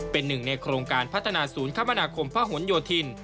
เป็นหนึ่งในโครงการพัฒนาศูนย์คมนาคมพระหลโยธิน